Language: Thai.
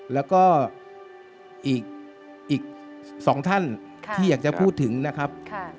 แล้วก็อีก๒ท่านที่อยากจะพูดถึงนะครับ